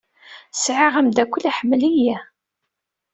Sɛiɣ ameddakel iḥemmel-iyi.